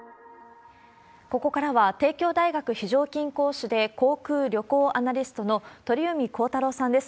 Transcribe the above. ここからは帝京大学非常勤講師で、航空・旅行アナリストの鳥海高太朗さんです。